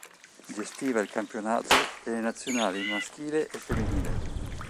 Gestiva il campionato e le nazionali maschile e femminile.